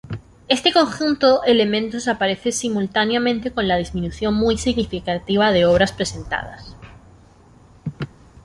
Este conjunto elementos aparece simultáneamente con la disminución muy significativa de obras presentadas.